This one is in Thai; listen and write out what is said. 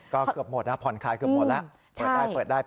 ก็เกือบหมดนะผ่อนคลายเกือบหมดแล้ว